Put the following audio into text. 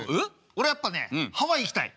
俺やっぱねハワイ行きたい。